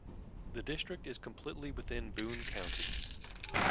The district is completely within in Boone County.